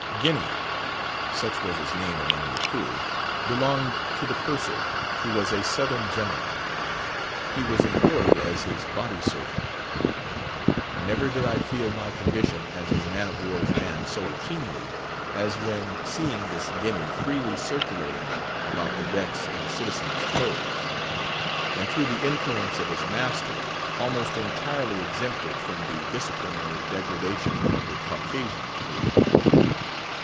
Guinea—such was his name among the crew—belonged to the Purser, who was a Southern gentleman; he was employed as his body servant. Never did I feel my condition as a man of war's man so keenly as when seeing this Guinea freely circulating about the decks in citizen's clothes, and through the influence of his master, almost entirely exempted from the disciplinary degradation of the Caucasian crew.